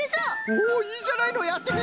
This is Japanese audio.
おいいじゃないのやってみよう！